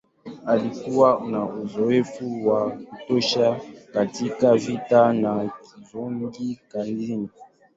Alikuwa na uzoefu wa kutosha katika vita na kiongozi makini.